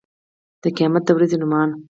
د قيامت د ورځې نومونه